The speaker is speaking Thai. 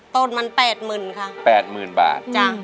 ต้นมัน๘๐๐๐๐บาท